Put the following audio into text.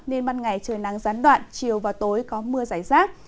nên ban ngày trời nắng gián đoạn chiều và tối có mưa giải rác